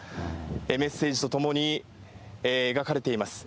メッセージとともに描かれています。